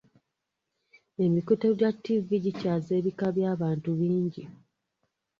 Emikutu gya ttivi gikyaza ebika by'abantu bingi.